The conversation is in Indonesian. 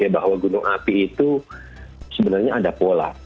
bahwa gunung api itu sebenarnya ada pola